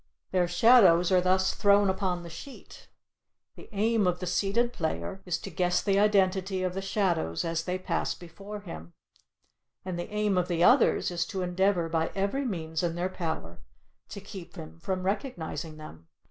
Their shadows are thus thrown upon the sheet. The aim of the seated player is to guess the identity of the shadows as they pass before him; and the aim of the others is to endeavor by every means in their power to keep him from recognizing them.